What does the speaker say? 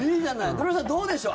鳥海さん、どうでしょう？